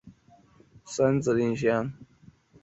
名字由来于古希腊神话中的战神阿瑞斯。